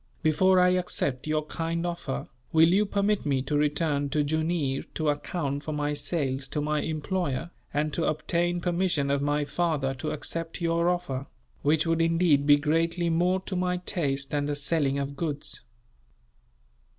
"Before I accept your kind offer, will you permit me to return to Jooneer to account for my sales to my employer, and to obtain permission of my father to accept your offer; which would indeed be greatly more to my taste than the selling of goods."